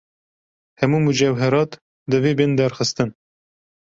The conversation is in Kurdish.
Hemû mucewherat divê bên derxistin.